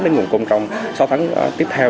đến nguồn cung trong sáu tháng tiếp theo